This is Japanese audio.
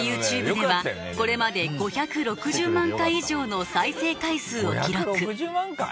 ＹｏｕＴｕｂｅではこれまで５６０万回以上の再生回数を記録５６０万回！